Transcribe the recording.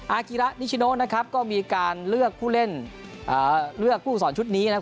อากิระนิชโนนะครับก็มีการเลือกผู้เล่นเลือกผู้สอนชุดนี้นะครับ